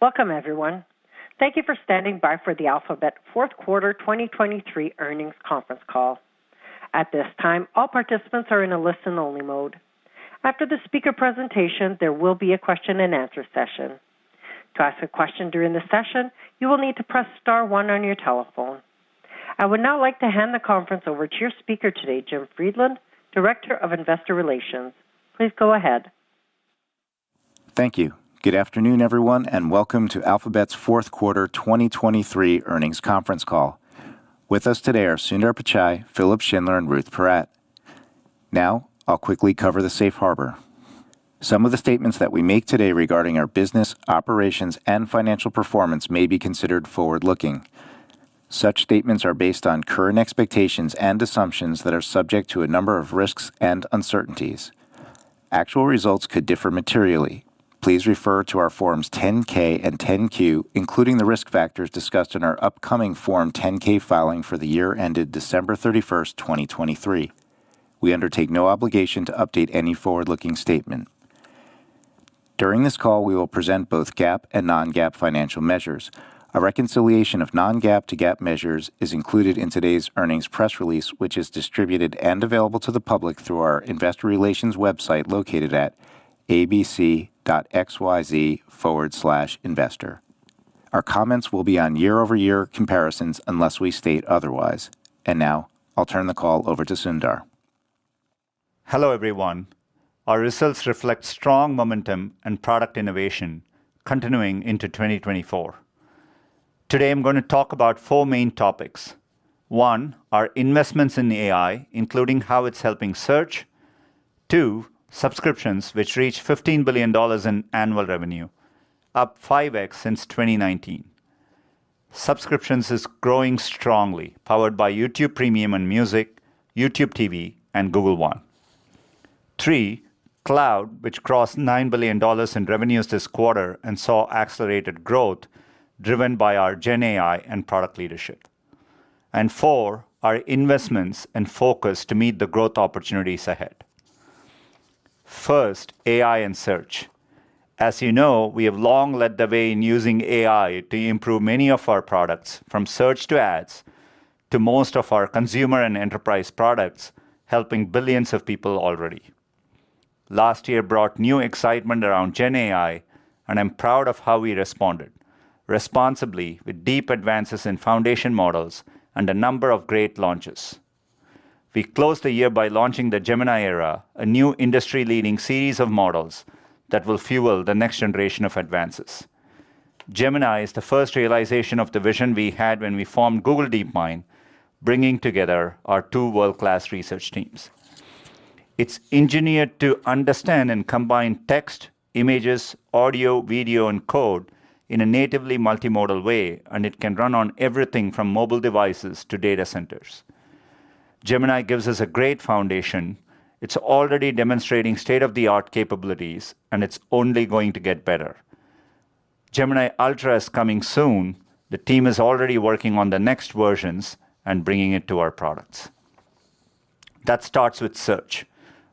Welcome, everyone. Thank you for standing by for the Alphabet Fourth Quarter 2023 Earnings Conference Call. At this time, all participants are in a listen-only mode. After the speaker presentation, there will be a question-and-answer session. To ask a question during the session, you will need to press star one on your telephone. I would now like to hand the conference over to your speaker today, Jim Friedland, Director of Investor Relations. Please go ahead. Thank you. Good afternoon, everyone, and welcome to Alphabet's Fourth Quarter 2023 Earnings Conference Call. With us today are Sundar Pichai, Philipp Schindler, and Ruth Porat. Now, I'll quickly cover the safe harbor. Some of the statements that we make today regarding our business, operations, and financial performance may be considered forward-looking. Such statements are based on current expectations and assumptions that are subject to a number of risks and uncertainties. Actual results could differ materially. Please refer to our Forms 10-K and 10-Q, including the risk factors discussed in our upcoming Form 10-K filing for the year ended December 31st, 2023. We undertake no obligation to update any forward-looking statement. During this call, we will present both GAAP and non-GAAP financial measures. A reconciliation of non-GAAP to GAAP measures is included in today's earnings press release, which is distributed and available to the public through our Investor Relations website located at abc.xyz/investor. Our comments will be on year-over-year comparisons unless we state otherwise. And now, I'll turn the call over to Sundar. Hello, everyone. Our results reflect strong momentum and product innovation continuing into 2024. Today, I'm going to talk about four main topics. One, our investments in AI, including how it's helping search. Two, subscriptions, which reach $15 billion in annual revenue, up 5X since 2019. Subscriptions are growing strongly, powered by YouTube Premium and Music, YouTube TV, and Google One. Three, cloud, which crossed $9 billion in revenues this quarter and saw accelerated growth driven by our Gen AI and product leadership, and four, our investments and focus to meet the growth opportunities ahead. First, AI and search. As you know, we have long led the way in using AI to improve many of our products, from search to ads to most of our consumer and enterprise products, helping billions of people already. Last year brought new excitement around Gen AI, and I'm proud of how we responded responsibly with deep advances in foundation models and a number of great launches. We closed the year by launching the Gemini era, a new industry-leading series of models that will fuel the next generation of advances. Gemini is the first realization of the vision we had when we formed Google DeepMind, bringing together our two world-class research teams. It's engineered to understand and combine text, images, audio, video, and code in a natively multimodal way, and it can run on everything from mobile devices to data centers. Gemini gives us a great foundation. It's already demonstrating state-of-the-art capabilities, and it's only going to get better. Gemini Ultra is coming soon. The team is already working on the next versions and bringing it to our products. That starts with search.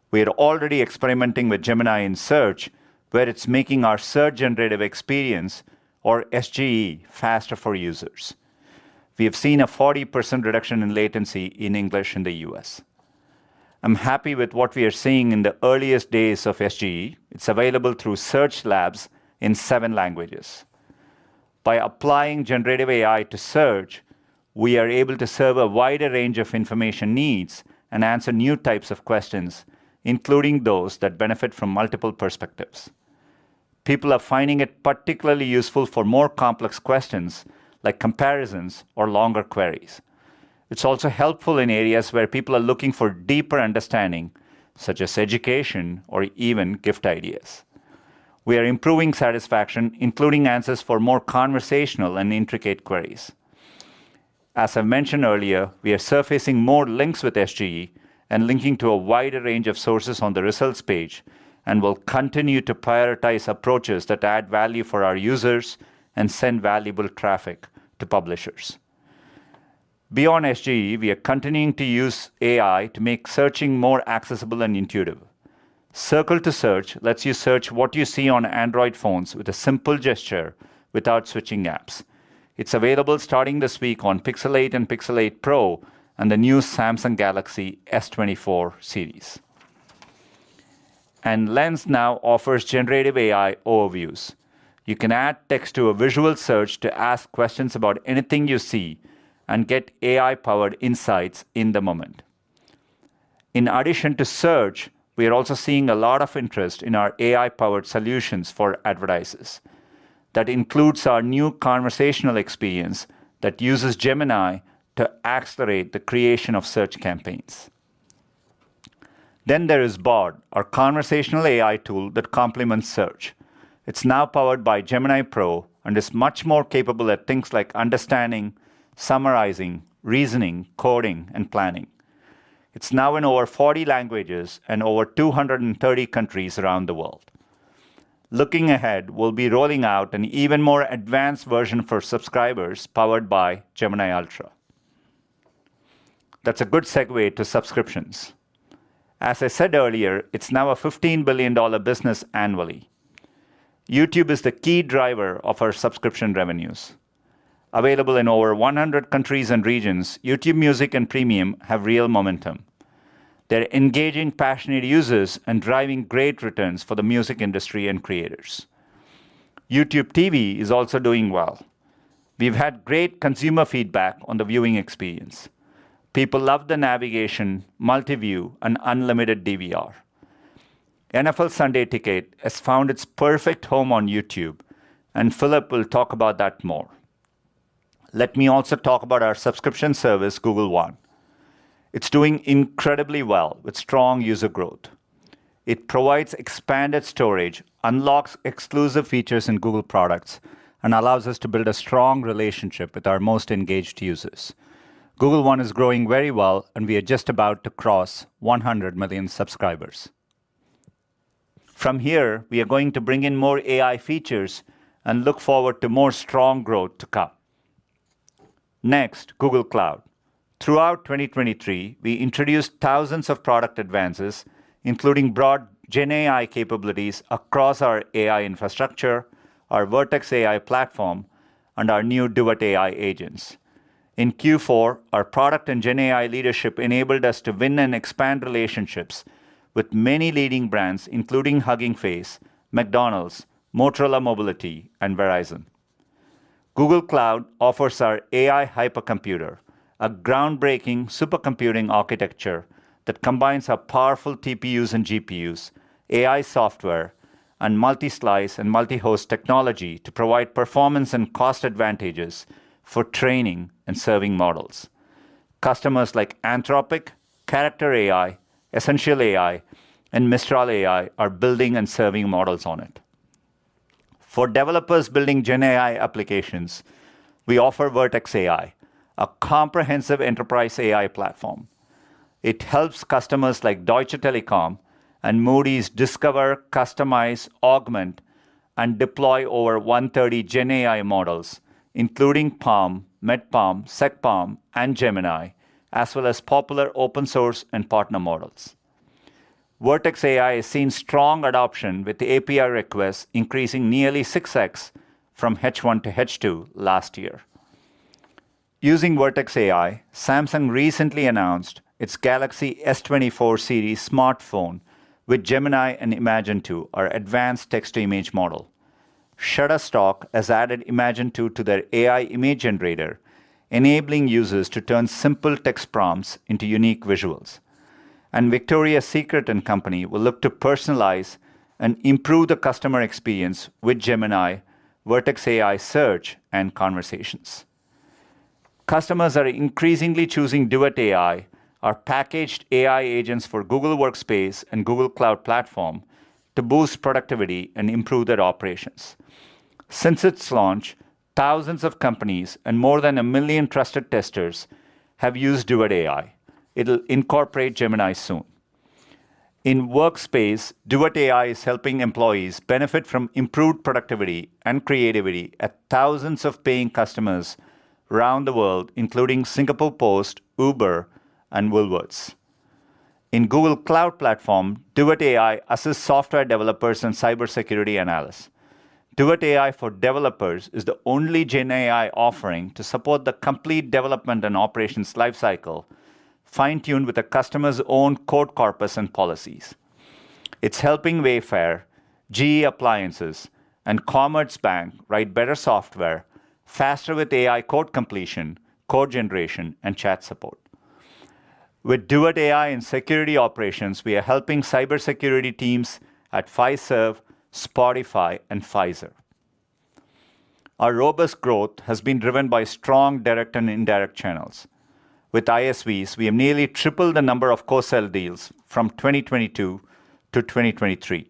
We are already experimenting with Gemini in search, where it's making our Search Generative Experience, or SGE, faster for users. We have seen a 40% reduction in latency in English in the U.S. I'm happy with what we are seeing in the earliest days of SGE. It's available through Search Labs in seven languages. By applying generative AI to search, we are able to serve a wider range of information needs and answer new types of questions, including those that benefit from multiple perspectives. People are finding it particularly useful for more complex questions like comparisons or longer queries. It's also helpful in areas where people are looking for deeper understanding, such as education or even gift ideas. We are improving satisfaction, including answers for more conversational and intricate queries. As I mentioned earlier, we are surfacing more links with SGE and linking to a wider range of sources on the results page and will continue to prioritize approaches that add value for our users and send valuable traffic to publishers. Beyond SGE, we are continuing to use AI to make searching more accessible and intuitive. Circle to Search lets you search what you see on Android phones with a simple gesture without switching apps. It's available starting this week on Pixel 8 and Pixel 8 Pro and the new Samsung Galaxy S24 series, and Lens now offers generative AI overviews. You can add text to a visual search to ask questions about anything you see and get AI-powered insights in the moment. In addition to search, we are also seeing a lot of interest in our AI-powered solutions for advertisers. That includes our new conversational experience that uses Gemini to accelerate the creation of search campaigns. Then there is Bard, our conversational AI tool that complements search. It's now powered by Gemini Pro and is much more capable at things like understanding, summarizing, reasoning, coding, and planning. It's now in over 40 languages and over 230 countries around the world. Looking ahead, we'll be rolling out an even more advanced version for subscribers powered by Gemini Ultra. That's a good segue to subscriptions. As I said earlier, it's now a $15 billion business annually. YouTube is the key driver of our subscription revenues. Available in over 100 countries and regions, YouTube Music and Premium have real momentum. They're engaging passionate users and driving great returns for the music industry and creators. YouTube TV is also doing well. We've had great consumer feedback on the viewing experience. People love the navigation, Multiview, and unlimited DVR. NFL Sunday Ticket has found its perfect home on YouTube, and Philipp will talk about that more. Let me also talk about our subscription service, Google One. It's doing incredibly well with strong user growth. It provides expanded storage, unlocks exclusive features in Google products, and allows us to build a strong relationship with our most engaged users. Google One is growing very well, and we are just about to cross 100 million subscribers. From here, we are going to bring in more AI features and look forward to more strong growth to come. Next, Google Cloud. Throughout 2023, we introduced thousands of product advances, including broad Gen AI capabilities across our AI infrastructure, our Vertex AI platform, and our new Duet AI agents. In Q4, our product and Gen AI leadership enabled us to win and expand relationships with many leading brands, including Hugging Face, McDonald's, Motorola Mobility, and Verizon. Google Cloud offers our AI hypercomputer, a groundbreaking supercomputing architecture that combines our powerful TPUs and GPUs, AI software, and multi-slice and multi-host technology to provide performance and cost advantages for training and serving models. Customers like Anthropic, Character AI, Essential AI, and Mistral AI are building and serving models on it. For developers building Gen AI applications, we offer Vertex AI, a comprehensive enterprise AI platform. It helps customers like Deutsche Telekom and Moody's discover, customize, augment, and deploy over 130 Gen AI models, including PaLM, Med-PaLM, Sec-PaLM, and Gemini, as well as popular open-source and partner models. Vertex AI has seen strong adoption with the API request increasing nearly 6X from H1 to H2 last year. Using Vertex AI, Samsung recently announced its Galaxy S24 series smartphone with Gemini and Imagen 2, our advanced text-to-image model. Shutterstock has added Imagen 2 to their AI image generator, enabling users to turn simple text prompts into unique visuals. Victoria's Secret & Co. will look to personalize and improve the customer experience with Gemini, Vertex AI Search, and conversations. Customers are increasingly choosing Duet AI, our packaged AI agents for Google Workspace and Google Cloud Platform, to boost productivity and improve their operations. Since its launch, thousands of companies and more than a million trusted testers have used Duet AI. It'll incorporate Gemini soon. In Workspace, Duet AI is helping employees benefit from improved productivity and creativity at thousands of paying customers around the world, including Singapore Post, Uber, and Woolworths. In Google Cloud Platform, Duet AI assists software developers and cybersecurity analysts. Duet AI for Developers is the only Gen AI offering to support the complete development and operations lifecycle, fine-tuned with the customer's own code corpus and policies. It's helping Wayfair, GE Appliances, and Commerzbank write better software faster with AI code completion, code generation, and chat support. With Duet AI in Security Operations, we are helping cybersecurity teams at Fiserv, Spotify, and Pfizer. Our robust growth has been driven by strong direct and indirect channels. With ISVs, we have nearly tripled the number of co-sell deals from 2022-2023.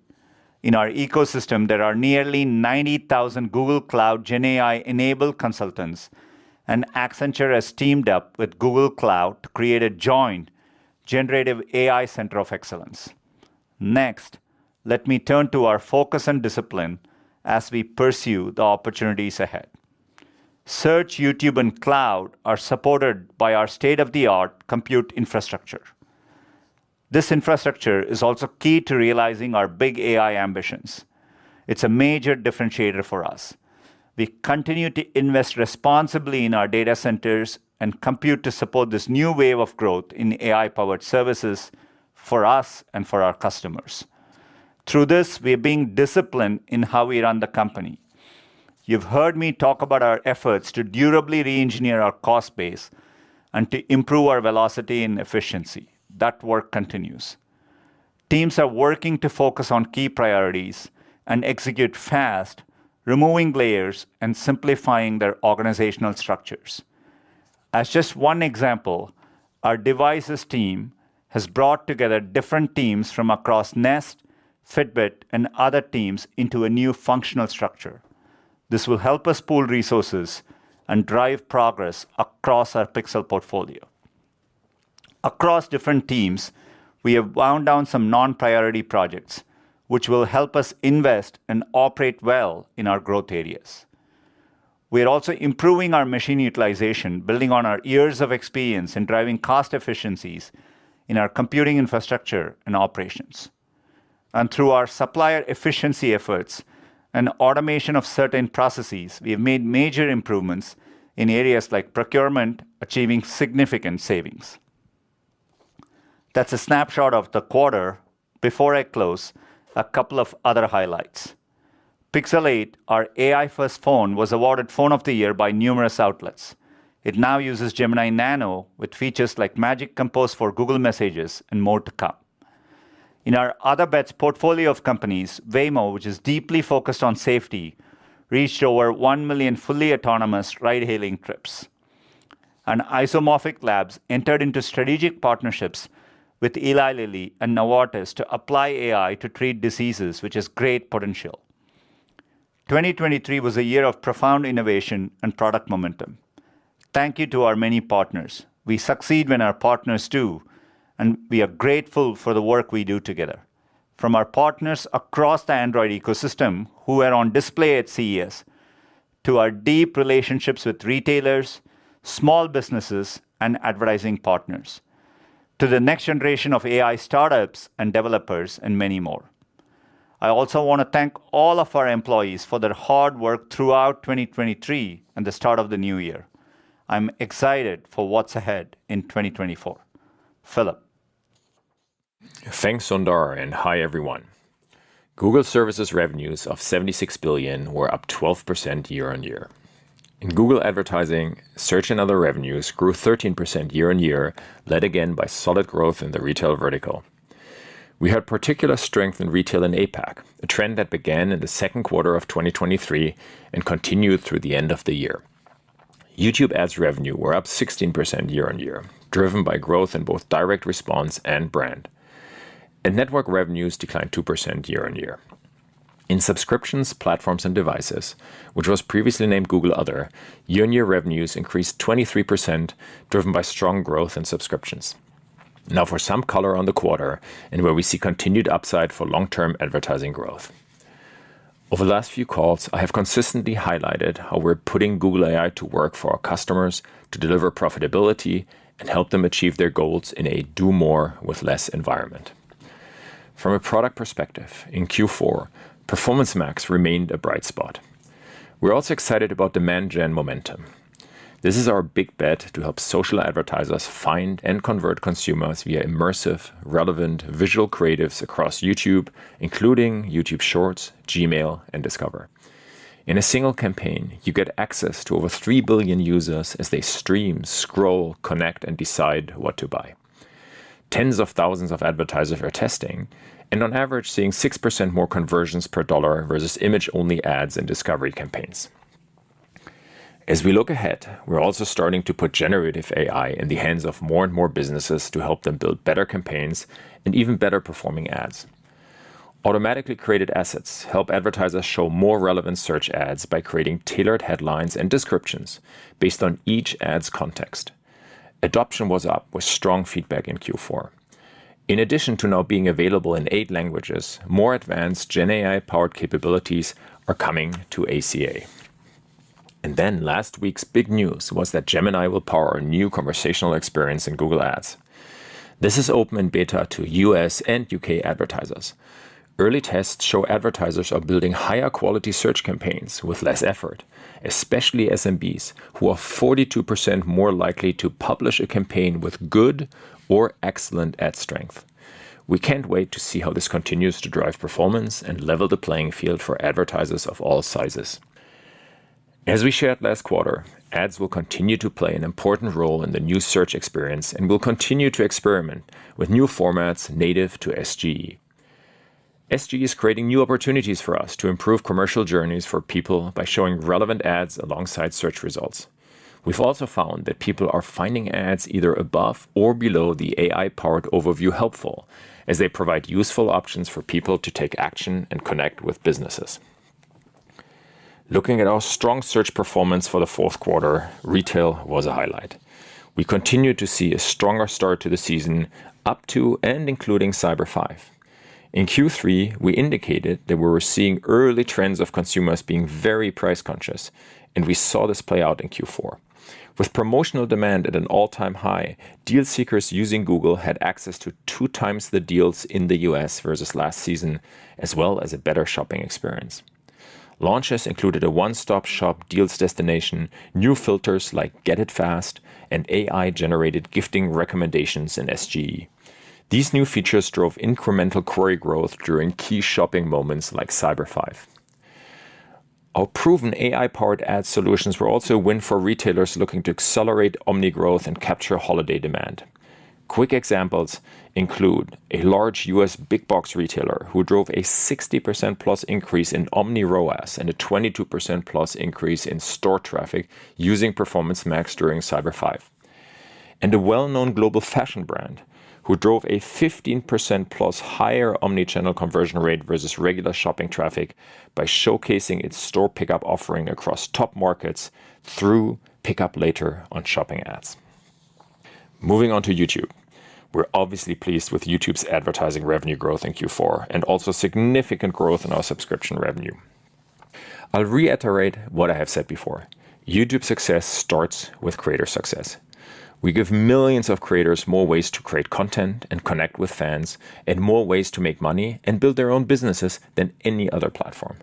In our ecosystem, there are nearly 90,000 Google Cloud Gen AI-enabled consultants, and Accenture has teamed up with Google Cloud to create a joint generative AI center of excellence. Next, let me turn to our focus and discipline as we pursue the opportunities ahead. Search, YouTube, and Cloud are supported by our state-of-the-art compute infrastructure. This infrastructure is also key to realizing our big AI ambitions. It's a major differentiator for us. We continue to invest responsibly in our data centers and compute to support this new wave of growth in AI-powered services for us and for our customers. Through this, we are being disciplined in how we run the company. You've heard me talk about our efforts to durably re-engineer our cost base and to improve our velocity and efficiency. That work continues. Teams are working to focus on key priorities and execute fast, removing layers and simplifying their organizational structures. As just one example, our Devices team has brought together different teams from across Nest, Fitbit, and other teams into a new functional structure. This will help us pool resources and drive progress across our Pixel portfolio. Across different teams, we have wound down some non-priority projects, which will help us invest and operate well in our growth areas. We are also improving our machine utilization, building on our years of experience in driving cost efficiencies in our computing infrastructure and operations, and through our supplier efficiency efforts and automation of certain processes, we have made major improvements in areas like procurement, achieving significant savings. That's a snapshot of the quarter. Before I close, a couple of other highlights. Pixel 8, our AI-first phone, was awarded Phone of the Year by numerous outlets. It now uses Gemini Nano with features like Magic Compose for Google Messages and more to come. In our Other Bets portfolio of companies, Waymo, which is deeply focused on safety, reached over 1 million fully autonomous ride-hailing trips. Isomorphic Labs entered into strategic partnerships with Eli Lilly and Novartis to apply AI to treat diseases, which has great potential. 2023 was a year of profound innovation and product momentum. Thank you to our many partners. We succeed when our partners do, and we are grateful for the work we do together. From our partners across the Android ecosystem, who are on display at CES, to our deep relationships with retailers, small businesses, and advertising partners, to the next generation of AI startups and developers, and many more. I also want to thank all of our employees for their hard work throughout 2023 and the start of the new year. I'm excited for what's ahead in 2024. Philipp. Thanks, Sundar, and hi, everyone. Google Services revenues of $76 billion were up 12% year-on-year. In Google Advertising, Search and other revenues grew 13% year-on-year, led again by solid growth in the retail vertical. We had particular strength in retail and APAC, a trend that began in the second quarter of 2023 and continued through the end of the year. YouTube ads revenue were up 16% year-on-year, driven by growth in both direct response and brand, and Network revenues declined 2% year-on-year. In subscriptions, platforms, and devices, which was previously named Google Other, year-on-year revenues increased 23%, driven by strong growth in subscriptions. Now for some color on the quarter and where we see continued upside for long-term advertising growth. Over the last few calls, I have consistently highlighted how we're putting Google AI to work for our customers to deliver profitability and help them achieve their goals in a do more with less environment. From a product perspective, in Q4, Performance Max remained a bright spot. We're also excited about Demand Gen momentum. This is our big bet to help social advertisers find and convert consumers via immersive, relevant visual creatives across YouTube, including YouTube Shorts, Gmail, and Discover. In a single campaign, you get access to over 3 billion users as they stream, scroll, connect, and decide what to buy. Tens of thousands of advertisers are testing and, on average, seeing 6% more conversions per dollar versus image-only ads and discovery campaigns. As we look ahead, we're also starting to put generative AI in the hands of more and more businesses to help them build better campaigns and even better performing ads. Automatically created assets help advertisers show more relevant search ads by creating tailored headlines and descriptions based on each ad's context. Adoption was up with strong feedback in Q4. In addition to now being available in eight languages, more advanced Gen AI-powered capabilities are coming to Search, and then last week's big news was that Gemini will power a new conversational experience in Google Ads. This is open in beta to U.S. and U.K. advertisers. Early tests show advertisers are building higher quality search campaigns with less effort, especially SMBs, who are 42% more likely to publish a campaign with good or excellent ad strength. We can't wait to see how this continues to drive performance and level the playing field for advertisers of all sizes. As we shared last quarter, ads will continue to play an important role in the new search experience and will continue to experiment with new formats native to SGE. SGE is creating new opportunities for us to improve commercial journeys for people by showing relevant ads alongside search results. We've also found that people are finding ads either above or below the AI Overview helpful, as they provide useful options for people to take action and connect with businesses. Looking at our strong search performance for the fourth quarter, retail was a highlight. We continue to see a stronger start to the season up to and including Cyber Five. In Q3, we indicated that we were seeing early trends of consumers being very price conscious, and we saw this play out in Q4. With promotional demand at an all-time high, deal seekers using Google had access to two times the deals in the U.S. versus last season, as well as a better shopping experience. Launches included a one-stop shop deals destination, new filters like Get It Fast, and AI-generated gifting recommendations in SGE. These new features drove incremental query growth during key shopping moments like Cyber Five. Our proven AI-powered ad solutions were also a win for retailers looking to accelerate omni growth and capture holiday demand. Quick examples include a large U.S. big box retailer who drove a 60% plus increase in omni ROAS and a 22%+ increase in store traffic using Performance Max during Cyber Five. And a well-known global fashion brand who drove a 15%+ higher omnichannel conversion rate versus regular shopping traffic by showcasing its store pickup offering across top markets through Pick Up Later on shopping ads. Moving on to YouTube, we're obviously pleased with YouTube's advertising revenue growth in Q4 and also significant growth in our subscription revenue. I'll reiterate what I have said before. YouTube success starts with creator success. We give millions of creators more ways to create content and connect with fans and more ways to make money and build their own businesses than any other platform.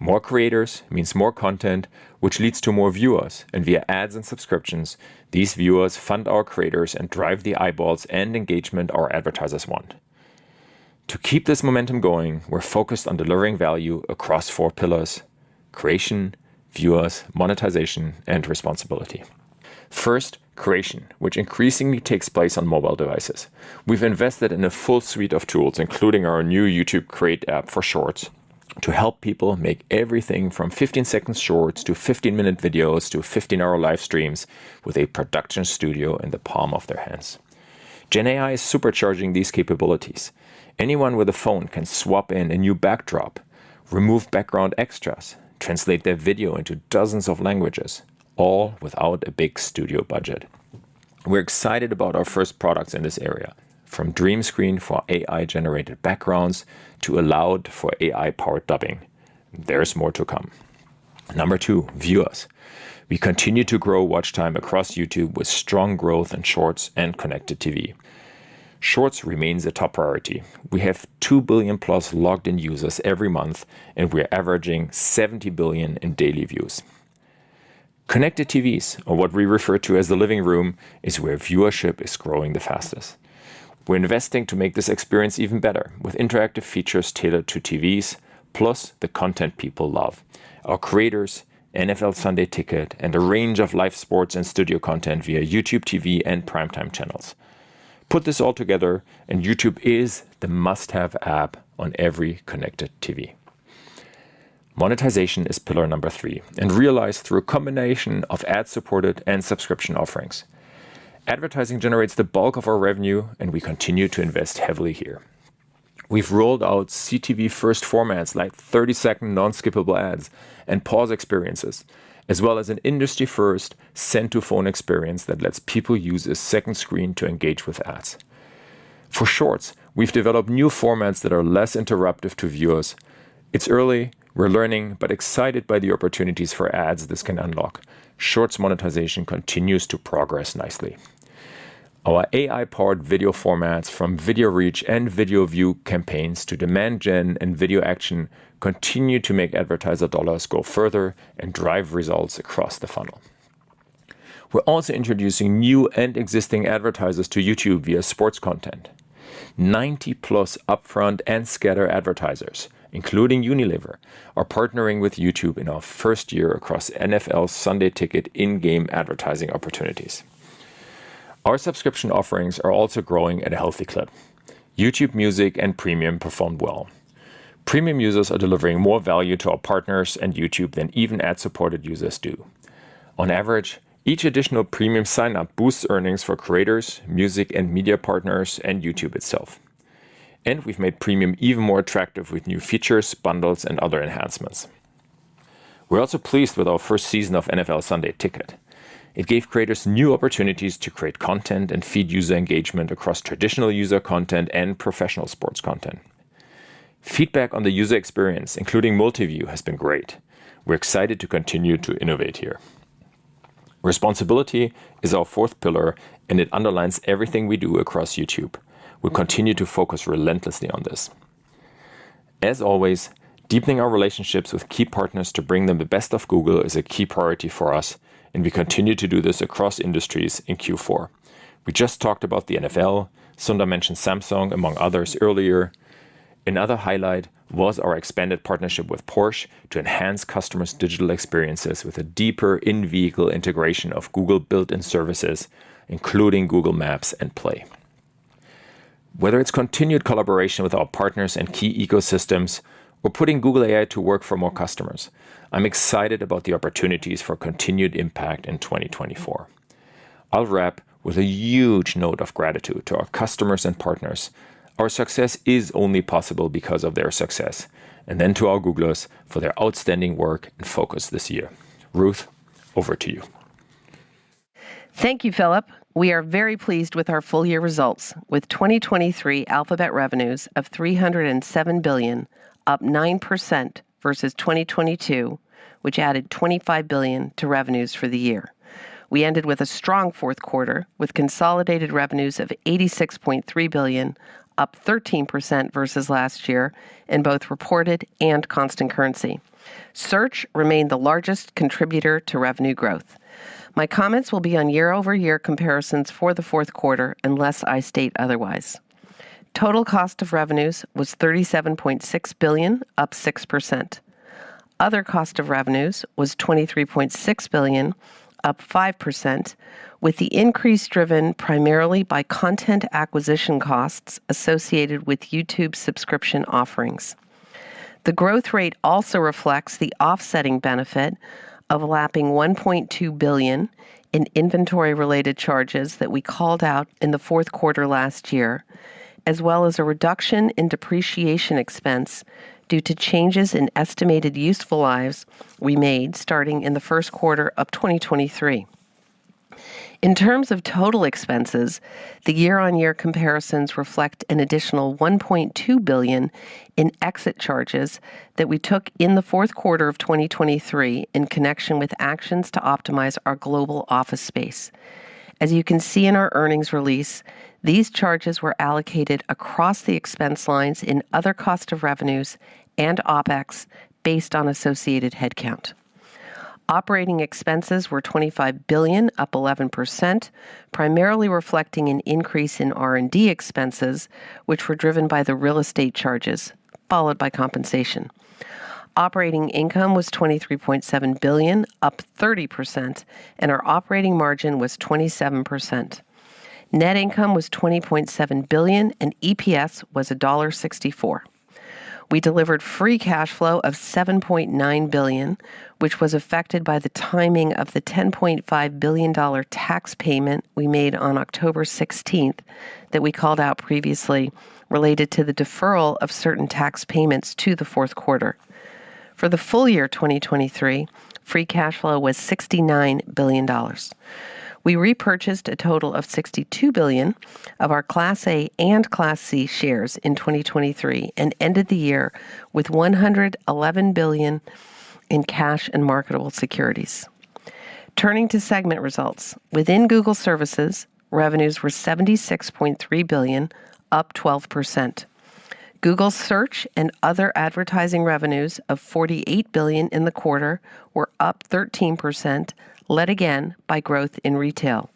More creators means more content, which leads to more viewers. And via ads and subscriptions, these viewers fund our creators and drive the eyeballs and engagement our advertisers want. To keep this momentum going, we're focused on delivering value across four pillars: creation, viewers, monetization, and responsibility. First, creation, which increasingly takes place on mobile devices. We've invested in a full suite of tools, including our new YouTube Create app for Shorts, to help people make everything from 15-second Shorts to 15-minute videos to 15-hour live streams with a production studio in the palm of their hands. Gen AI is supercharging these capabilities. Anyone with a phone can swap in a new backdrop, remove background extras, translate their video into dozens of languages, all without a big studio budget. We're excited about our first products in this area, from Dream Screen for AI-generated backgrounds to Aloud for AI-powered dubbing. There's more to come. Number two, viewers. We continue to grow watch time across YouTube with strong growth in Shorts and Connected TV. Shorts remains a top priority. We have 2 billion plus logged-in users every month, and we're averaging 70 billion in daily views. Connected TVs, or what we refer to as the living room, is where viewership is growing the fastest. We're investing to make this experience even better with interactive features tailored to TVs, plus the content people love, our creators, NFL Sunday Ticket, and a range of live sports and studio content via YouTube TV and primetime channels. Put this all together, and YouTube is the must-have app on every Connected TV. Monetization is pillar number three and realized through a combination of ad-supported and subscription offerings. Advertising generates the bulk of our revenue, and we continue to invest heavily here. We've rolled out CTV-first formats like 30-second non-skippable ads and pause experiences, as well as an industry-first send-to-phone experience that lets people use a second screen to engage with ads. For Shorts, we've developed new formats that are less interruptive to viewers. It's early. We're learning, but excited by the opportunities for ads this can unlock. Shorts monetization continues to progress nicely. Our AI-powered video formats from Video Reach and Video View campaigns to Demand Gen and Video Action continue to make advertiser dollars go further and drive results across the funnel. We're also introducing new and existing advertisers to YouTube via sports content. 90-plus upfront and scatter advertisers, including Unilever, are partnering with YouTube in our first year across NFL Sunday Ticket in-game advertising opportunities. Our subscription offerings are also growing at a healthy clip. YouTube Music and Premium perform well. Premium users are delivering more value to our partners and YouTube than even ad-supported users do. On average, each additional Premium sign-up boosts earnings for creators, music, and media partners, and YouTube itself. And we've made Premium even more attractive with new features, bundles, and other enhancements. We're also pleased with our first season of NFL Sunday Ticket. It gave creators new opportunities to create content and feed user engagement across traditional user content and professional sports content. Feedback on the user experience, including Multiview, has been great. We're excited to continue to innovate here. Responsibility is our fourth pillar, and it underlines everything we do across YouTube. We'll continue to focus relentlessly on this. As always, deepening our relationships with key partners to bring them the best of Google is a key priority for us, and we continue to do this across industries in Q4. We just talked about the NFL. Sundar mentioned Samsung, among others, earlier. Another highlight was our expanded partnership with Porsche to enhance customers' digital experiences with a deeper in-vehicle integration of Google-built-in services, including Google Maps and Play. Whether it's continued collaboration with our partners and key ecosystems or putting Google AI to work for more customers, I'm excited about the opportunities for continued impact in 2024. I'll wrap with a huge note of gratitude to our customers and partners. Our success is only possible because of their success. And then to our Googlers for their outstanding work and focus this year. Ruth, over to you. Thank you, Philipp. We are very pleased with our full-year results, with 2023 Alphabet revenues of $307 billion, up 9% versus 2022, which added $25 billion to revenues for the year. We ended with a strong fourth quarter, with consolidated revenues of $86.3 billion, up 13% versus last year in both reported and constant currency. Search remained the largest contributor to revenue growth. My comments will be on year-over-year comparisons for the fourth quarter, unless I state otherwise. Total cost of revenues was $37.6 billion, up 6%. Other cost of revenues was $23.6 billion, up 5%, with the increase driven primarily by content acquisition costs associated with YouTube subscription offerings. The growth rate also reflects the offsetting benefit of lapping $1.2 billion in inventory-related charges that we called out in the fourth quarter last year, as well as a reduction in depreciation expense due to changes in estimated useful lives we made starting in the first quarter of 2023. In terms of total expenses, the year-on-year comparisons reflect an additional $1.2 billion in exit charges that we took in the fourth quarter of 2023 in connection with actions to optimize our global office space. As you can see in our earnings release, these charges were allocated across the expense lines in other cost of revenues and OpEx based on associated headcount. Operating expenses were $25 billion, up 11%, primarily reflecting an increase in R&D expenses, which were driven by the real estate charges, followed by compensation. Operating income was $23.7 billion, up 30%, and our operating margin was 27%. Net income was $20.7 billion, and EPS was $1.64. We delivered free cash flow of $7.9 billion, which was affected by the timing of the $10.5 billion tax payment we made on October 16 that we called out previously related to the deferral of certain tax payments to the fourth quarter. For the full year 2023, free cash flow was $69 billion. We repurchased a total of $62 billion of our Class A and Class C shares in 2023 and ended the year with $111 billion in cash and marketable securities. Turning to segment results, within Google Services, revenues were $76.3 billion, up 12%. Google Search and other advertising revenues of $48 billion in the quarter were up 13%, led again by growth in retail.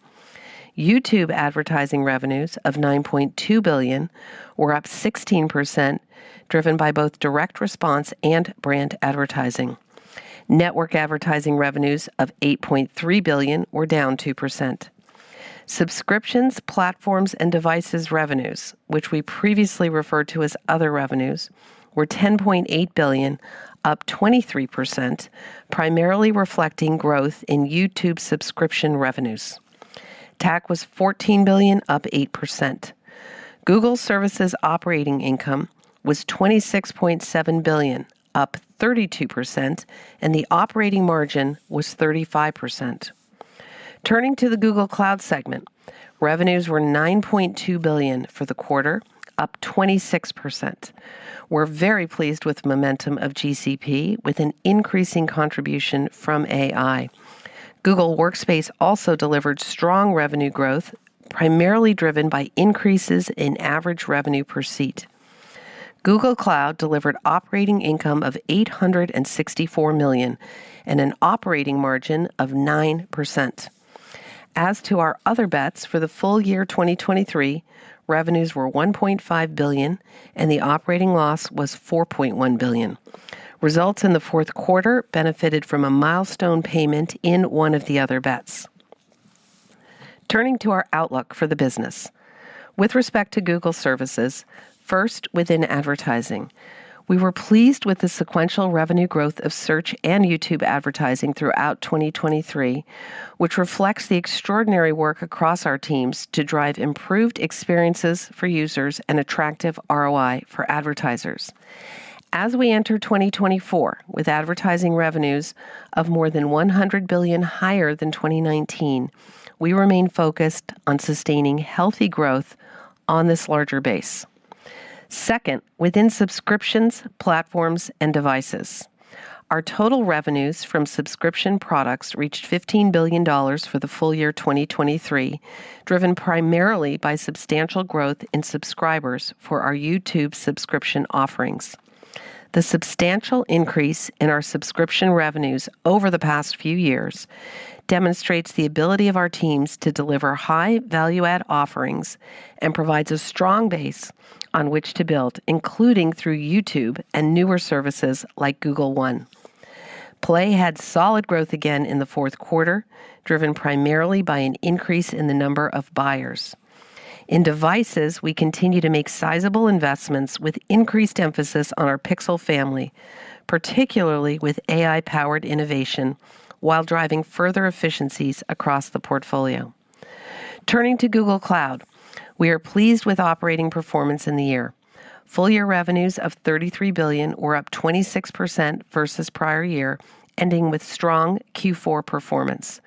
YouTube advertising revenues of $9.2 billion were up 16%, driven by both direct response and brand advertising. Network advertising revenues of $8.3 billion were down 2%. Subscriptions, platforms, and devices revenues, which we previously referred to as other revenues, were $10.8 billion, up 23%, primarily reflecting growth in YouTube subscription revenues. TAC was $14 billion, up 8%. Google services operating income was $26.7 billion, up 32%, and the operating margin was 35%. Turning to the Google Cloud segment, revenues were $9.2 billion for the quarter, up 26%. We're very pleased with the momentum of GCP, with an increasing contribution from AI. Google Workspace also delivered strong revenue growth, primarily driven by increases in average revenue per seat. Google Cloud delivered operating income of $864 million and an operating margin of 9%. As to our Other Bets for the full year 2023, revenues were $1.5 billion, and the operating loss was $4.1 billion. Results in the fourth quarter benefited from a milestone payment in one of the Other Bets. Turning to our outlook for the business, with respect to Google services, first within advertising, we were pleased with the sequential revenue growth of Search and YouTube advertising throughout 2023, which reflects the extraordinary work across our teams to drive improved experiences for users and attractive ROI for advertisers. As we enter 2024 with advertising revenues of more than $100 billion higher than 2019, we remain focused on sustaining healthy growth on this larger base. Second, within subscriptions, platforms, and devices, our total revenues from subscription products reached $15 billion for the full year 2023, driven primarily by substantial growth in subscribers for our YouTube subscription offerings. The substantial increase in our subscription revenues over the past few years demonstrates the ability of our teams to deliver high-value-add offerings and provides a strong base on which to build, including through YouTube and newer services like Google One. Play had solid growth again in the fourth quarter, driven primarily by an increase in the number of buyers. In devices, we continue to make sizable investments with increased emphasis on our Pixel family, particularly with AI-powered innovation, while driving further efficiencies across the portfolio. Turning to Google Cloud, we are pleased with operating performance in the year. Full-year revenues of $33 billion were up 26% versus prior year, ending with strong Q4 performance.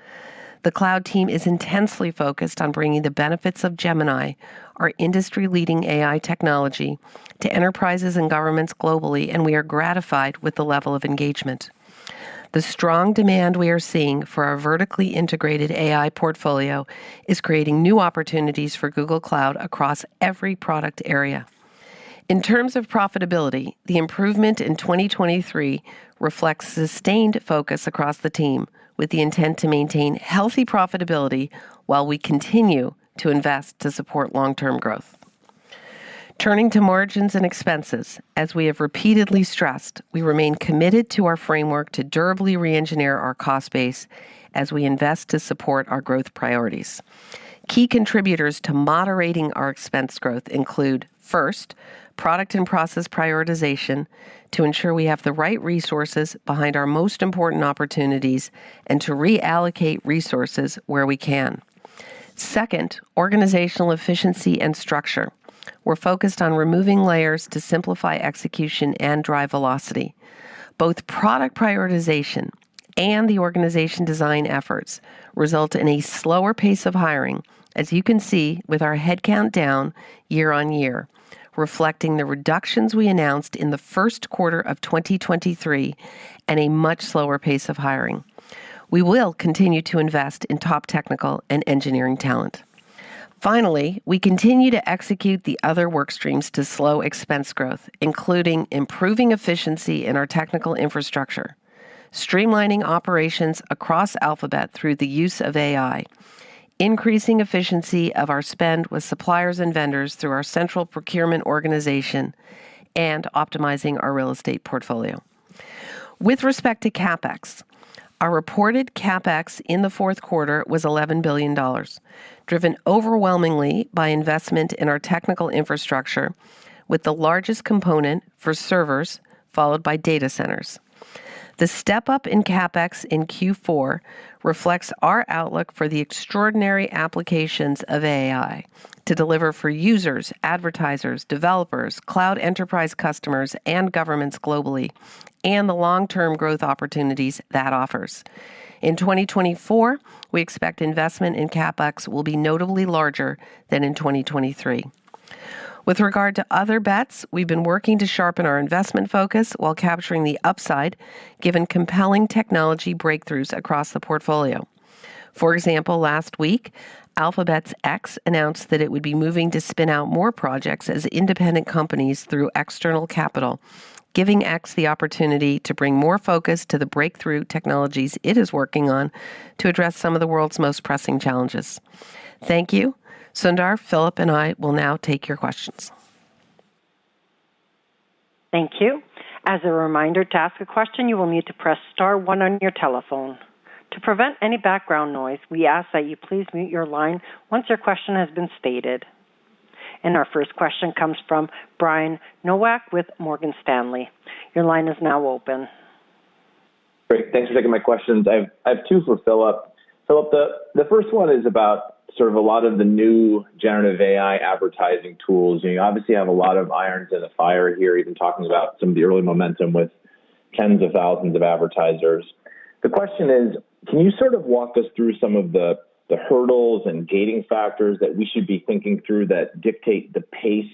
The Cloud team is intensely focused on bringing the benefits of Gemini, our industry-leading AI technology, to enterprises and governments globally, and we are gratified with the level of engagement. The strong demand we are seeing for our vertically integrated AI portfolio is creating new opportunities for Google Cloud across every product area. In terms of profitability, the improvement in 2023 reflects sustained focus across the team, with the intent to maintain healthy profitability while we continue to invest to support long-term growth. Turning to margins and expenses, as we have repeatedly stressed, we remain committed to our framework to durably re-engineer our cost base as we invest to support our growth priorities. Key contributors to moderating our expense growth include, first, product and process prioritization to ensure we have the right resources behind our most important opportunities and to reallocate resources where we can. Second, organizational efficiency and structure. We're focused on removing layers to simplify execution and drive velocity. Both product prioritization and the organization design efforts result in a slower pace of hiring, as you can see with our headcount down year-on-year, reflecting the reductions we announced in the first quarter of 2023 and a much slower pace of hiring. We will continue to invest in top technical and engineering talent. Finally, we continue to execute the other work streams to slow expense growth, including improving efficiency in our technical infrastructure, streamlining operations across Alphabet through the use of AI, increasing efficiency of our spend with suppliers and vendors through our central procurement organization, and optimizing our real estate portfolio. With respect to CapEx, our reported CapEx in the fourth quarter was $11 billion, driven overwhelmingly by investment in our technical infrastructure, with the largest component for servers, followed by data centers. The step-up in CapEx in Q4 reflects our outlook for the extraordinary applications of AI to deliver for users, advertisers, developers, cloud enterprise customers, and governments globally, and the long-term growth opportunities that offers. In 2024, we expect investment in CapEx will be notably larger than in 2023. With regard to Other Bets, we've been working to sharpen our investment focus while capturing the upside, given compelling technology breakthroughs across the portfolio. For example, last week, Alphabet's X announced that it would be moving to spin out more projects as independent companies through external capital, giving X the opportunity to bring more focus to the breakthrough technologies it is working on to address some of the world's most pressing challenges. Thank you. Sundar, Philipp, and I will now take your questions. Thank you. As a reminder, to ask a question, you will need to press Star 1 on your telephone. To prevent any background noise, we ask that you please mute your line once your question has been stated, and our first question comes from Brian Nowak with Morgan Stanley. Your line is now open. Great. Thanks for taking my questions. I have two for Philipp. Philipp, the first one is about sort of a lot of the new generative AI advertising tools. You obviously have a lot of irons in the fire here, even talking about some of the early momentum with tens of thousands of advertisers. The question is, can you sort of walk us through some of the hurdles and gating factors that we should be thinking through that dictate the pace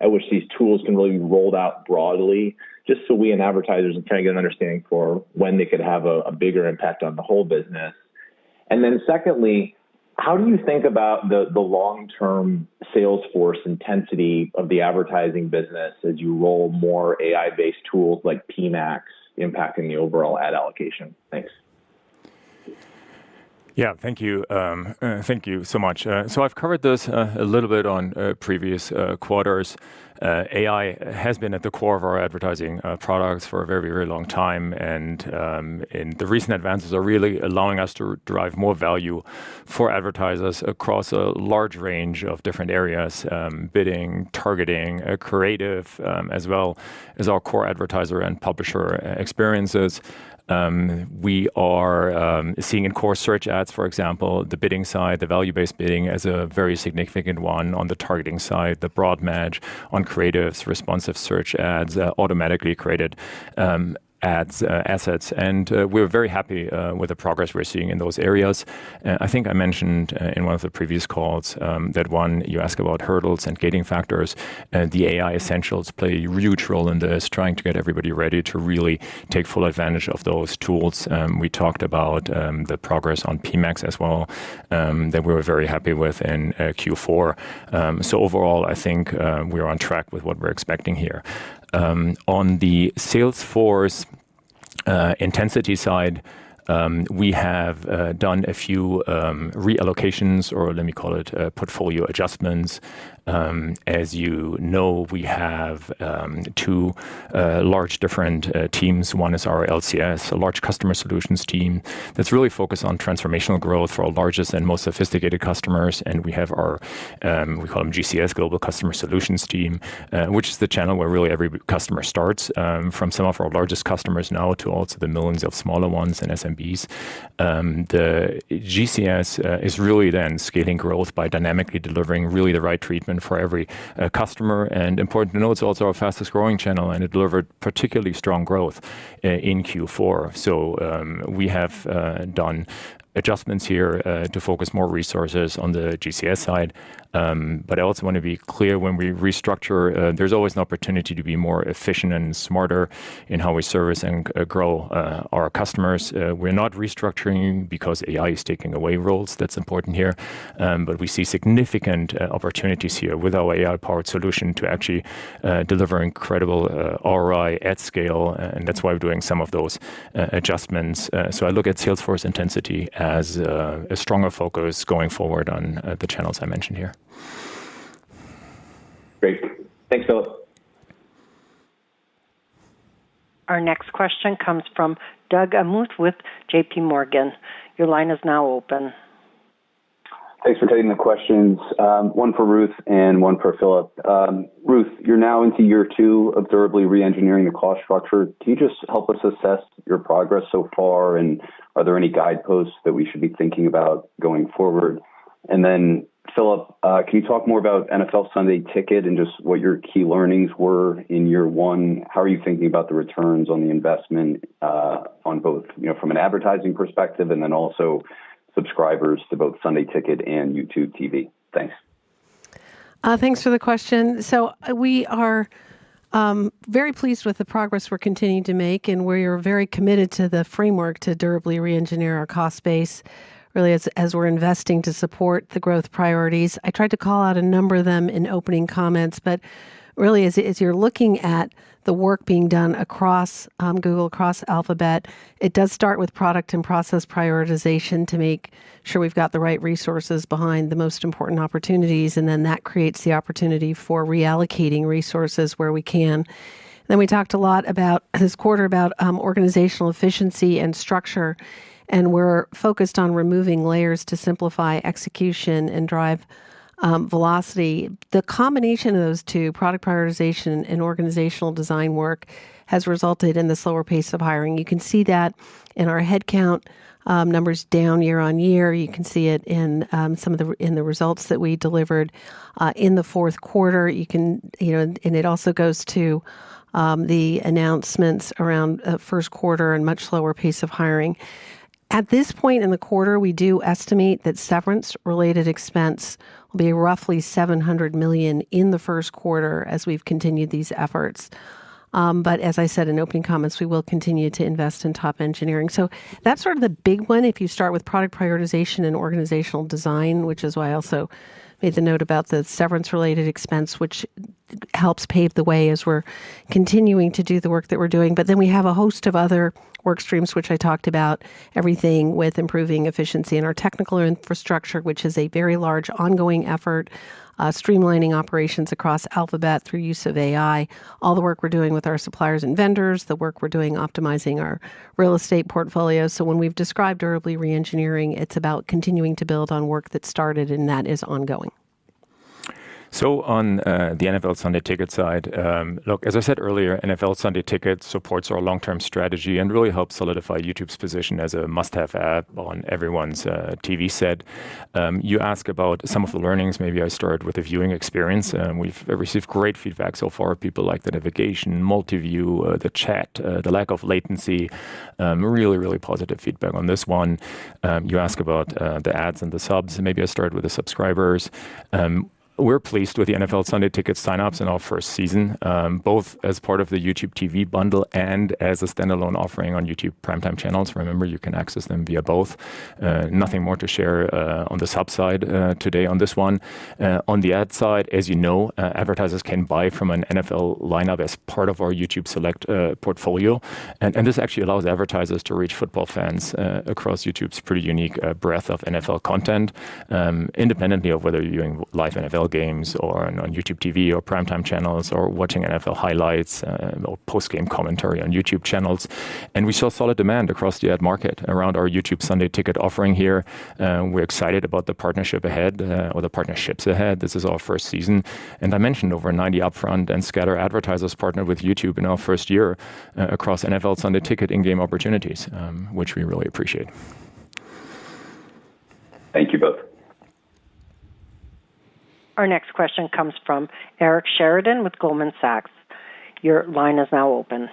at which these tools can really be rolled out broadly, just so we and advertisers are trying to get an understanding for when they could have a bigger impact on the whole business? And then secondly, how do you think about the long-term salesforce intensity of the advertising business as you roll more AI-based tools like PMax impacting the overall ad allocation? Thanks. Yeah, thank you. Thank you so much. So I've covered this a little bit on previous quarters. AI has been at the core of our advertising products for a very, very long time. And the recent advances are really allowing us to drive more value for advertisers across a large range of different areas: bidding, targeting, creative, as well as our core advertiser and publisher experiences. We are seeing in core search ads, for example, the bidding side, the value-based bidding as a very significant one on the targeting side, the broad match on creatives, responsive search ads, automatically created ad assets. And we're very happy with the progress we're seeing in those areas. I think I mentioned in one of the previous calls that when you ask about hurdles and gating factors, the AI essentials play a huge role in this, trying to get everybody ready to really take full advantage of those tools. We talked about the progress on PMAX as well, that we were very happy with in Q4. So overall, I think we're on track with what we're expecting here. On the salesforce intensity side, we have done a few reallocations, or let me call it portfolio adjustments. As you know, we have two large different teams. One is our LCS, a Large Customer Solutions team that's really focused on transformational growth for our largest and most sophisticated customers. We have our, we call them GCS, Global Customer Solutions Team, which is the channel where really every customer starts from some of our largest customers now to also the millions of smaller ones and SMBs. The GCS is really then scaling growth by dynamically delivering really the right treatment for every customer. Important to note, it's also our fastest growing channel, and it delivered particularly strong growth in Q4. We have done adjustments here to focus more resources on the GCS side. I also want to be clear when we restructure, there's always an opportunity to be more efficient and smarter in how we service and grow our customers. We're not restructuring because AI is taking away roles. That's important here. We see significant opportunities here with our AI-powered solution to actually deliver incredible ROI at scale. That's why we're doing some of those adjustments. I look at sales force intensity as a stronger focus going forward on the channels I mentioned here. Great. Thanks, Philipp. Our next question comes from Doug Anmuth with JPMorgan. Your line is now open. Thanks for taking the questions. One for Ruth and one for Philipp. Ruth, you're now into year two, observably re-engineering the cost structure. Can you just help us assess your progress so far? And are there any guideposts that we should be thinking about going forward? And then Philipp, can you talk more about NFL Sunday Ticket and just what your key learnings were in year one? How are you thinking about the returns on the investment on both from an advertising perspective and then also subscribers to both Sunday Ticket and YouTube TV? Thanks. Thanks for the question. So we are very pleased with the progress we're continuing to make, and we're very committed to the framework to durably re-engineer our cost base, really, as we're investing to support the growth priorities. I tried to call out a number of them in opening comments, but really, as you're looking at the work being done across Google, across Alphabet, it does start with product and process prioritization to make sure we've got the right resources behind the most important opportunities. And then that creates the opportunity for reallocating resources where we can. And then we talked a lot this quarter about organizational efficiency and structure. And we're focused on removing layers to simplify execution and drive velocity. The combination of those two, product prioritization and organizational design work, has resulted in the slower pace of hiring. You can see that in our headcount numbers down year-on-year. You can see it in some of the results that we delivered in the fourth quarter, and it also goes to the announcements around the first quarter and much slower pace of hiring. At this point in the quarter, we do estimate that severance-related expense will be roughly $700 million in the first quarter as we've continued these efforts, but as I said in opening comments, we will continue to invest in top engineering, so that's sort of the big one if you start with product prioritization and organizational design, which is why I also made the note about the severance-related expense, which helps pave the way as we're continuing to do the work that we're doing. But then we have a host of other work streams, which I talked about, everything with improving efficiency in our technical infrastructure, which is a very large ongoing effort, streamlining operations across Alphabet through use of AI, all the work we're doing with our suppliers and vendors, the work we're doing optimizing our real estate portfolio. So when we've described durably re-engineering, it's about continuing to build on work that started and that is ongoing. So on the NFL Sunday Ticket side, look, as I said earlier, NFL Sunday Ticket supports our long-term strategy and really helps solidify YouTube's position as a must-have app on everyone's TV set. You ask about some of the learnings, maybe I start with the viewing experience. We've received great feedback so far of people like the navigation, Multiview, the chat, the lack of latency, really, really positive feedback on this one. You ask about the ads and the subs. Maybe I start with the subscribers. We're pleased with the NFL Sunday Ticket sign-ups in our first season, both as part of the YouTube TV bundle and as a standalone offering on YouTube Primetime Channels. Remember, you can access them via both. Nothing more to share on the subs side today on this one. On the ad side, as you know, advertisers can buy from an NFL lineup as part of our YouTube Select portfolio, and this actually allows advertisers to reach football fans across YouTube's pretty unique breadth of NFL content, independently of whether you're viewing live NFL games or on YouTube TV or Primetime Channels or watching NFL highlights or post-game commentary on YouTube channels, and we saw solid demand across the ad market around our YouTube Sunday Ticket offering here. We're excited about the partnership ahead or the partnerships ahead. This is our first season. And I mentioned over 90 upfront and scattered advertisers partnered with YouTube in our first year across NFL Sunday Ticket in-game opportunities, which we really appreciate. Thank you both. Our next question comes from Eric Sheridan with Goldman Sachs. Your line is now open.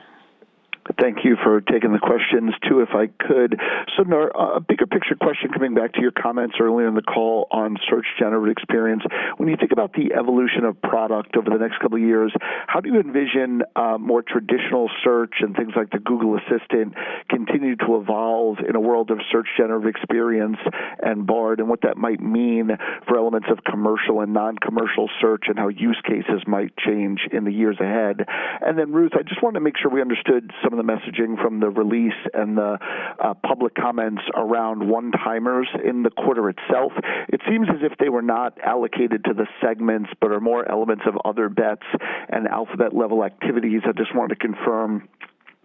Thank you for taking the questions, too, if I could. Sundar, a bigger picture question coming back to your comments earlier in the call on Search Generative Experience. When you think about the evolution of product over the next couple of years, how do you envision more traditional search and things like the Google Assistant continue to evolve in a world of Search Generative Experience and Bard and what that might mean for elements of commercial and non-commercial search and how use cases might change in the years ahead? Then, Ruth, I just wanted to make sure we understood some of the messaging from the release and the public comments around one-timers in the quarter itself. It seems as if they were not allocated to the segments, but are more elements of Other Bets and Alphabet-level activities. I just wanted to confirm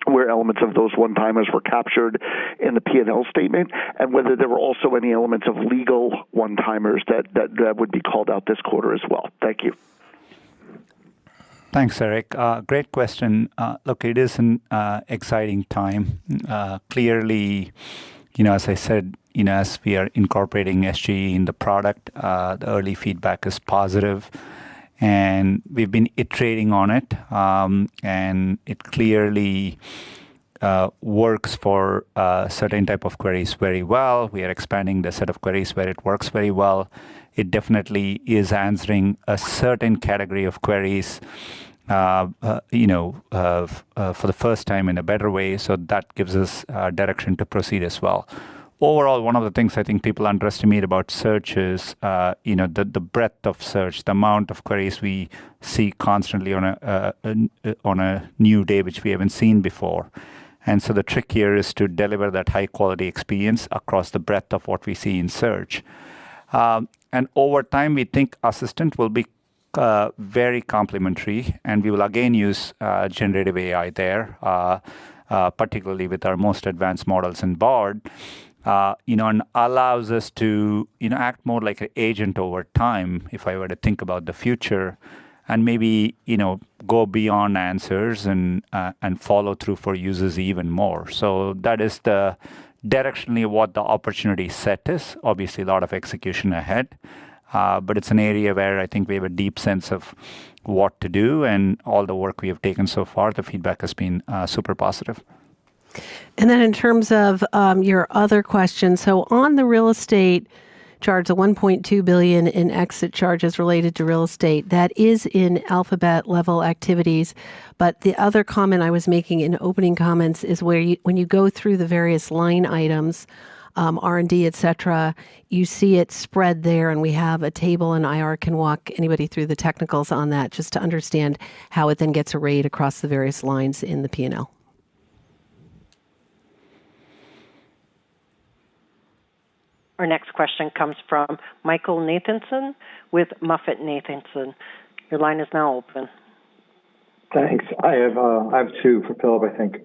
where elements of those one-timers were captured in the P&L statement and whether there were also any elements of legal one-timers that would be called out this quarter as well. Thank you. Thanks, Eric. Great question. Look, it is an exciting time. Clearly, as I said, as we are incorporating SGE in the product, the early feedback is positive. We've been iterating on it. It clearly works for a certain type of queries very well. We are expanding the set of queries where it works very well. It definitely is answering a certain category of queries for the first time in a better way. So that gives us direction to proceed as well. Overall, one of the things I think people underestimate about search is the breadth of search, the amount of queries we see constantly on a new day, which we haven't seen before. And so the trick here is to deliver that high-quality experience across the breadth of what we see in search. And over time, we think Assistant will be very complementary. And we will again use generative AI there, particularly with our most advanced models and Bard, and allows us to act more like an agent over time if I were to think about the future and maybe go beyond answers and follow through for users even more. So that is the directionally what the opportunity set is. Obviously, a lot of execution ahead. But it's an area where I think we have a deep sense of what to do, and all the work we have taken so far, the feedback has been super positive And then in terms of your other question, so on the real estate charge, the $1.2 billion in exit charges related to real estate, that is in Alphabet-level activities. But the other comment I was making in opening comments is when you go through the various line items, R&D, et cetera, you see it spread there, and we have a table, and IR can walk anybody through the technicals on that just to understand how it then gets arrayed across the various lines in the P&L. Our next question comes from Michael Nathanson with MoffettNathanson. Your line is now open. Thanks. I have two for Philipp, I think.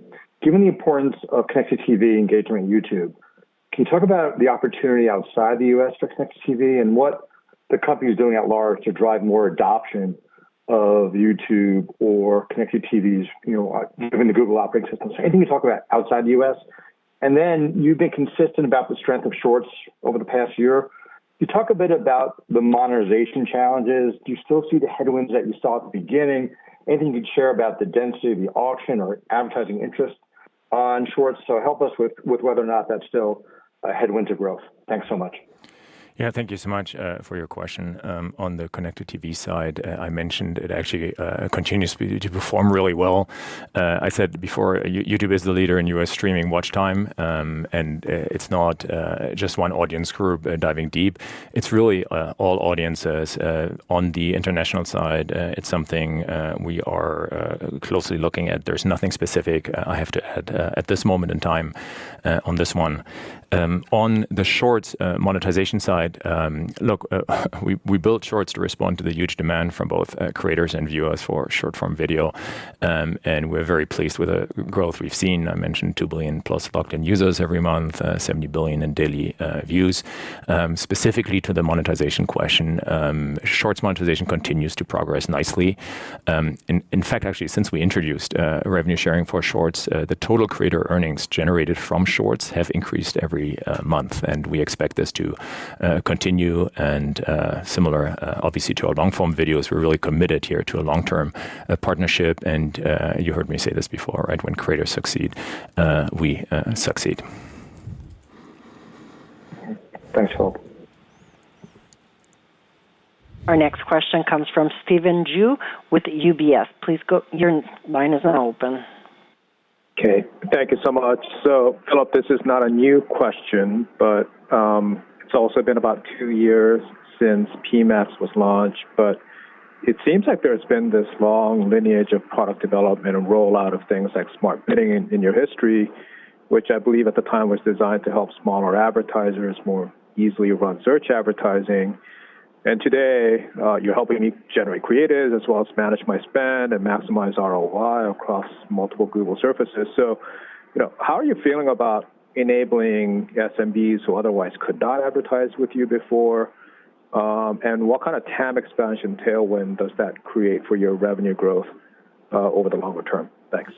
Given the importance of Connected TV engagement in YouTube, can you talk about the opportunity outside the U.S. for Connected TV and what the company is doing at large to drive more adoption of YouTube or Connected TVs given the Google operating system? So anything you talk about outside the U.S. And then you've been consistent about the strength of Shorts over the past year. Can you talk a bit about the monetization challenges? Do you still see the headwinds that you saw at the beginning? Anything you can share about the density of the auction or advertising interest on Shorts? So help us with whether or not that's still a headwind to growth. Thanks so much. Yeah, thank you so much for your question. On the Connected TV side, I mentioned it actually continues to perform really well. I said before, YouTube is the leader in U.S. streaming watch time, and it's not just one audience group diving deep. It's really all audiences on the international side. It's something we are closely looking at. There's nothing specific I have to add at this moment in time on this one. On the Shorts monetization side, look, we built Shorts to respond to the huge demand from both creators and viewers for short-form video, and we're very pleased with the growth we've seen. I mentioned $2 billion plus logged-in users every month, $70 billion in daily views. Specifically to the monetization question, Shorts monetization continues to progress nicely. In fact, actually, since we introduced revenue sharing for Shorts, the total creator earnings generated from Shorts have increased every month, and we expect this to continue and similar, obviously, to our long-form videos. We're really committed here to a long-term partnership. You heard me say this before, right? When creators succeed, we succeed. Thanks, Philipp. Our next question comes from Stephen Ju with UBS. Please go. Your line is now open. Okay. Thank you so much. So Philipp, this is not a new question, but it's also been about two years since PMax was launched. But it seems like there has been this long lineage of product development and rollout of things like Smart Bidding in your history, which I believe at the time was designed to help smaller advertisers more easily run search advertising. And today, you're helping me generate creatives as well as manage my spend and maximize ROI across multiple Google surfaces. So how are you feeling about enabling SMBs who otherwise could not advertise with you before? And what kind of TAM expansion tailwind does that create for your revenue growth over the longer term? Thanks.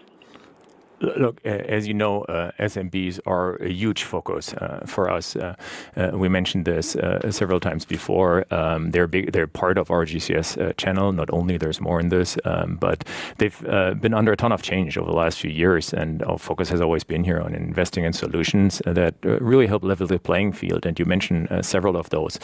Look, as you know, SMBs are a huge focus for us. We mentioned this several times before. They're part of our GCS channel. Not only there's more in this, but they've been under a ton of change over the last few years, and our focus has always been here on investing in solutions that really help level the playing field, and you mentioned several of those,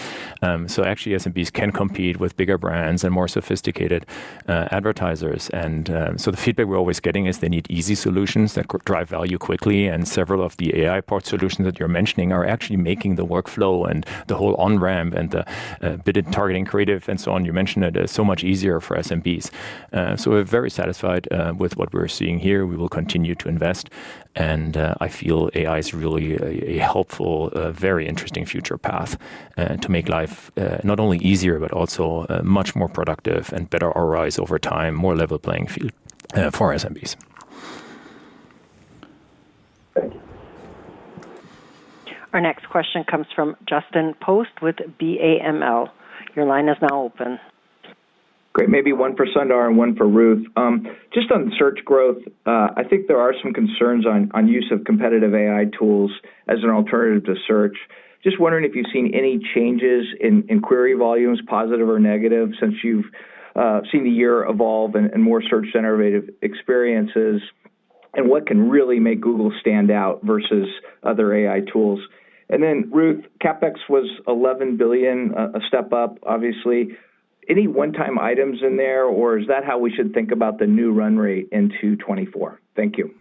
so actually, SMBs can compete with bigger brands and more sophisticated advertisers, and so the feedback we're always getting is they need easy solutions that drive value quickly, and several of the AI-powered solutions that you're mentioning are actually making the workflow and the whole on-ramp and the bidding, targeting, creative, and so on. You mentioned it is so much easier for SMBs, so we're very satisfied with what we're seeing here. We will continue to invest. And I feel AI is really a helpful, very interesting future path to make life not only easier, but also much more productive and better ROIs over time, more level playing field for SMBs. Thank you. Our next question comes from Justin Post with BAML. Your line is now open. Great. Maybe one for Sundar and one for Ruth. Just on search growth, I think there are some concerns on use of competitive AI tools as an alternative to search. Just wondering if you've seen any changes in query volumes, positive or negative, since you've seen the year evolve and more Search Generative Experiences. And what can really make Google stand out versus other AI tools? And then, Ruth, CapEx was $11 billion, a step up, obviously. Any one-time items in there, or is that how we should think about the new run rate into 2024? Thank you.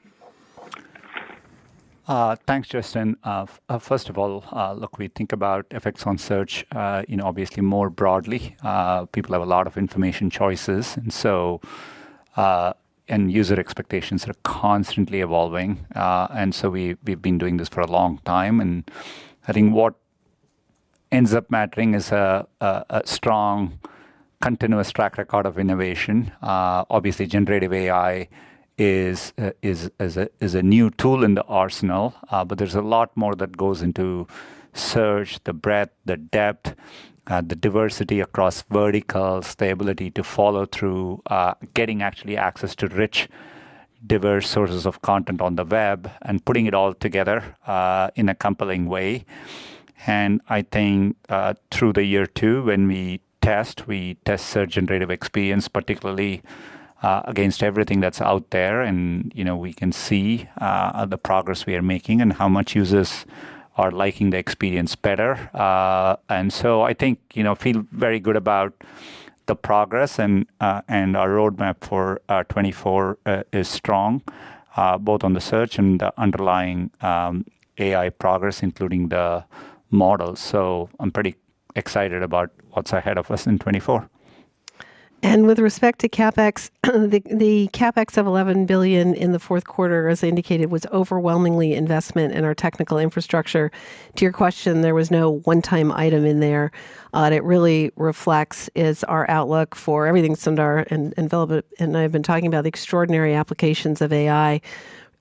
Thanks, Justin. First of all, look, we think about effects on search, obviously, more broadly. People have a lot of information choices. And user expectations are constantly evolving. And so we've been doing this for a long time. And I think what ends up mattering is a strong, continuous track record of innovation. Obviously, generative AI is a new tool in the arsenal. But there's a lot more that goes into search, the breadth, the depth, the diversity across verticals, the ability to follow through, getting actually access to rich, diverse sources of content on the web, and putting it all together in a compelling way. And I think through the year, too, when we test, we test Search Generative Experience, particularly against everything that's out there. And we can see the progress we are making and how much users are liking the experience better. And so I think we feel very good about the progress. Our roadmap for 2024 is strong, both on the search and the underlying AI progress, including the models. So I'm pretty excited about what's ahead of us in 2024. And with respect to CapEx, the CapEx of $11 billion in the fourth quarter, as I indicated, was overwhelmingly investment in our technical infrastructure. To your question, there was no one-time item in there. What it really reflects is our outlook for everything, Sundar and Philipp. And I've been talking about the extraordinary applications of AI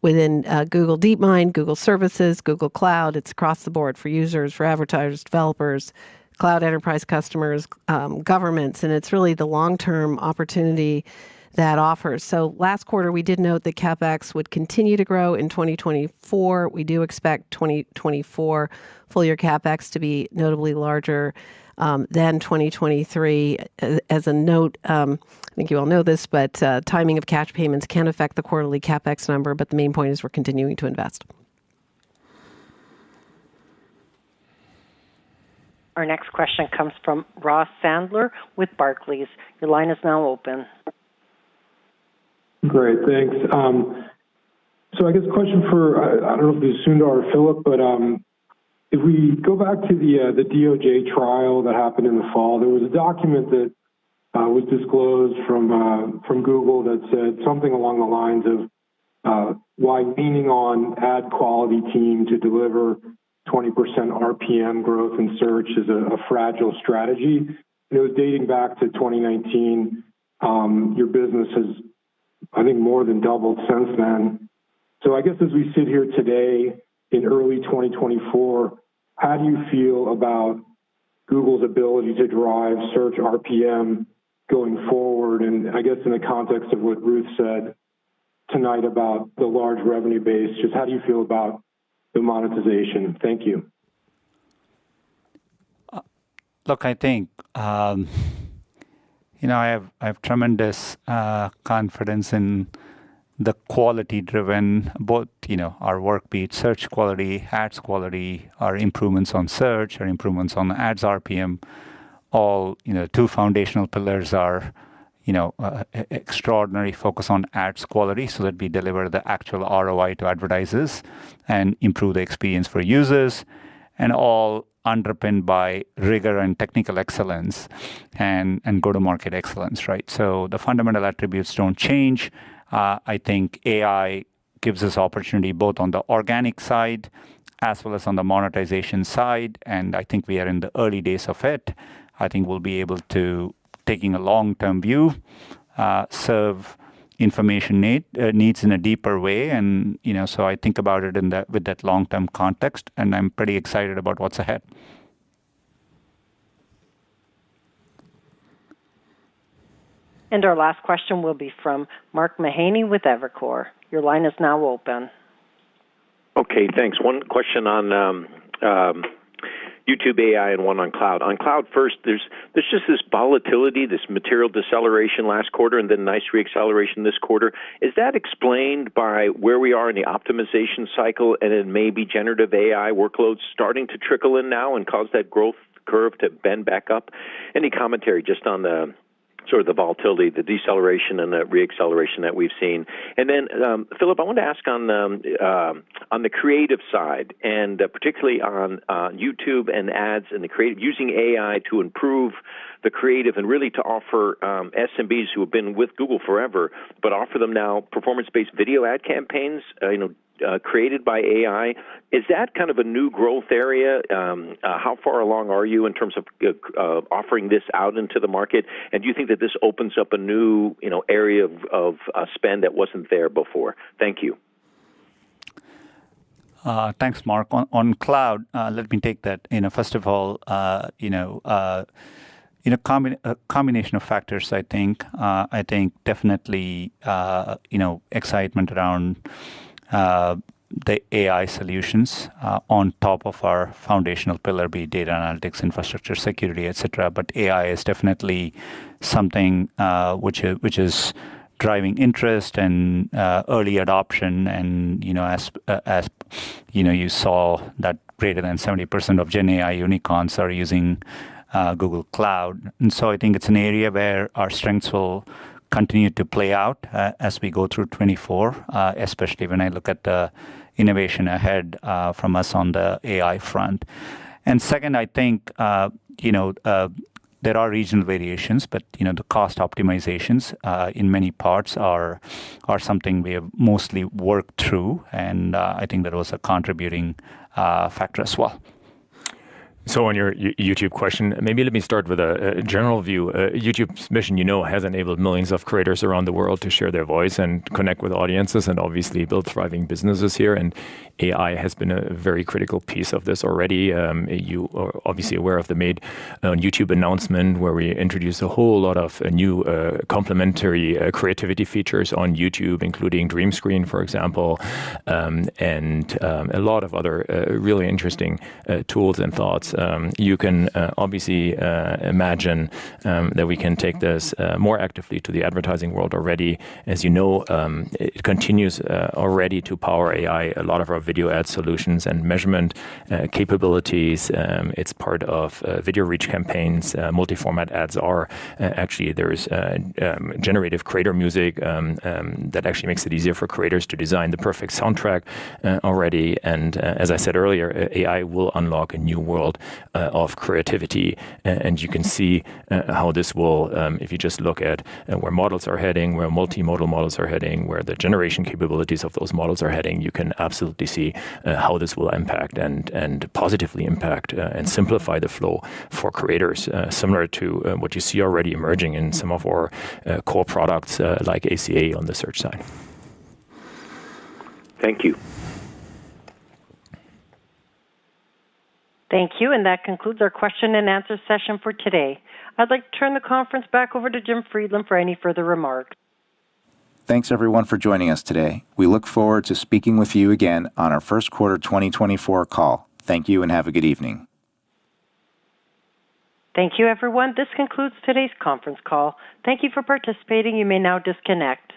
within Google DeepMind, Google Services, Google Cloud. It's across the board for users, for advertisers, developers, cloud enterprise customers, governments. And it's really the long-term opportunity that offers. So last quarter, we did note that CapEx would continue to grow in 2024. We do expect 2024 full-year CapEx to be notably larger than 2023. As a note, I think you all know this, but timing of cash payments can affect the quarterly CapEx number. But the main point is we're continuing to invest. Our next question comes from Ross Sandler with Barclays. Your line is now open. Great. Thanks. So I guess question for, I don't know if this is Sundar or Philipp, but if we go back to the DOJ trial that happened in the fall, there was a document that was disclosed from Google that said something along the lines of, "Why leaning on ad quality team to deliver 20% RPM growth in search is a fragile strategy." And it was dating back to 2019. Your business has, I think, more than doubled since then. So I guess as we sit here today in early 2024, how do you feel about Google's ability to drive search RPM going forward? And I guess in the context of what Ruth said tonight about the large revenue base, just how do you feel about the monetization? Thank you. Look, I think I have tremendous confidence in the quality-driven, both our YouTube, search quality, ads quality, our improvements on search, our improvements on ads RPM. Our two foundational pillars are extraordinary focus on ads quality so that we deliver the actual ROI to advertisers and improve the experience for users, and all underpinned by rigor and technical excellence and go-to-market excellence, right? So the fundamental attributes don't change. I think AI gives us opportunity both on the organic side as well as on the monetization side. And I think we are in the early days of it. I think we'll be able to, taking a long-term view, serve information needs in a deeper way. And so I think about it with that long-term context. And I'm pretty excited about what's ahead. And our last question will be from Mark Mahaney with Evercore. Your line is now open. Okay. Thanks. One question on YouTube AI and one on cloud. On cloud first, there's just this volatility, this material deceleration last quarter, and then nice reacceleration this quarter. Is that explained by where we are in the optimization cycle and it may be generative AI workloads starting to trickle in now and cause that growth curve to bend back up? Any commentary just on sort of the volatility, the deceleration, and the reacceleration that we've seen? And then, Philipp, I want to ask on the creative side, and particularly on YouTube and ads and the creative using AI to improve the creative and really to offer SMBs who have been with Google forever, but offer them now performance-based video ad campaigns created by AI. Is that kind of a new growth area? How far along are you in terms of offering this out into the market? And do you think that this opens up a new area of spend that wasn't there before? Thank you. Mark. On cloud, let me take that. First of all, a combination of factors, I think. I think definitely excitement around the AI solutions on top of our foundational pillar B, data analytics, infrastructure, security, et cetera. But AI is definitely something which is driving interest and early adoption. As you saw, that greater than 70% of Gen AI unicorns are using Google Cloud. I think it's an area where our strengths will continue to play out as we go through 2024, especially when I look at the innovation ahead from us on the AI front. Second, I think there are regional variations, but the cost optimizations in many parts are something we have mostly worked through. I think that was a contributing factor as well. On your YouTube question, maybe let me start with a general view. YouTube's mission has enabled millions of creators around the world to share their voice and connect with audiences and obviously build thriving businesses here. AI has been a very critical piece of this already. You are obviously aware of the Made on YouTube announcement where we introduced a whole lot of new complementary creativity features on YouTube, including Dream Screen, for example, and a lot of other really interesting tools and thoughts. You can obviously imagine that we can take this more actively to the advertising world already. As you know, it continues already to power AI, a lot of our video ad solutions and measurement capabilities. It's part of Video Reach campaigns, multi-format ads are. Actually, there is generative Creator Music that actually makes it easier for creators to design the perfect soundtrack already. As I said earlier, AI will unlock a new world of creativity. And you can see how this will, if you just look at where models are heading, where multimodal models are heading, where the generation capabilities of those models are heading, you can absolutely see how this will impact and positively impact and simplify the flow for creators, similar to what you see already emerging in some of our core products like ACA on the search side. Thank you. Thank you. And that concludes our question and answer session for today. I'd like to turn the conference back over to Jim Friedland for any further remarks. Thanks, everyone, for joining us today. We look forward to speaking with you again on our first quarter 2024 call. Thank you and have a good evening. Thank you, everyone. This concludes today's conference call. Thank you for participating. You may now disconnect.